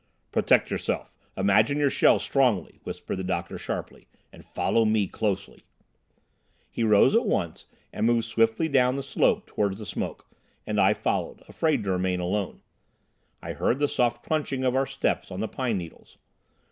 "Protect yourself! Imagine your shell strongly," whispered the doctor sharply, "and follow me closely." He rose at once and moved swiftly down the slope towards the smoke, and I followed, afraid to remain alone. I heard the soft crunching of our steps on the pine needles.